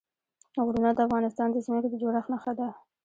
غرونه د افغانستان د ځمکې د جوړښت نښه ده.